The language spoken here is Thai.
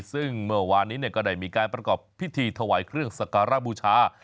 ซึ่งเมื่อวานนี้ก็ได้มีการประกอบพิธีถวายเครื่องสักการะบูชา